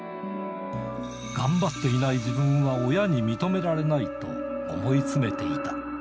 頑張っていない自分は親に認められないと思い詰めていた。